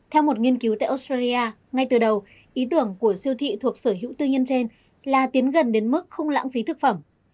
theo một nghiên cứu tại australia ngay từ đầu ý tưởng của siêu thị thuộc sở hữu tư nhân trên là tiến gần đến mức không lãng phí thực phẩm